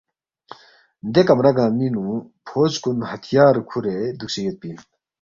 دے کمرہ گنگمِنگ نُو فوج کُن ہتھیار کُھورے دُوکسے یودپی اِن